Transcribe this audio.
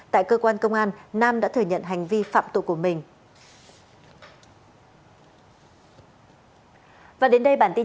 tại cơ quan công an nam đã thừa nhận hành vi phạm tội của mình